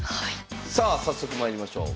さあ早速まいりましょう。